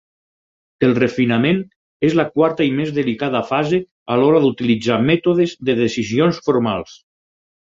El refinament és la quarta i més delicada fase a l'hora d'utilitzar mètodes de decisions formals.